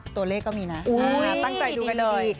ตัวเลขก็มีน่ะอู๋อ่าตั้งใจดูกันดีดี